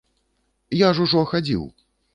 Я ж ужо хадзіў.